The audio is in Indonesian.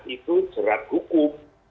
itu jerat hukum